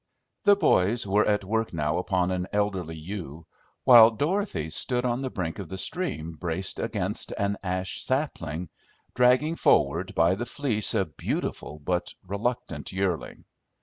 The boys were at work now upon an elderly ewe, while Dorothy stood on the brink of the stream braced against an ash sapling, dragging forward by the fleece a beautiful but reluctant yearling.